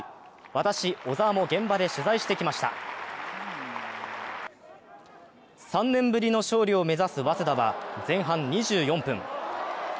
私、小沢も現場で取材してきました３年ぶりの勝利を目指す早稲田は前半２４分。